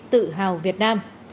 tự hào việt nam